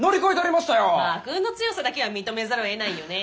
まあ悪運の強さだけは認めざるをえないよね。